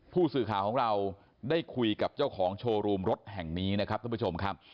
ผู้สื่อข่าวของเราได้คุยกับเจ้าของโชว์รูมรถแห่งนี้นะครับท่านผู้ชมครับ